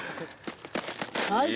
はい！